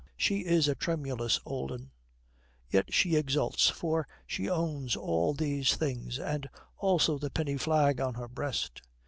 She is a tremulous old 'un; yet she exults, for she owns all these things, and also the penny flag on her breast.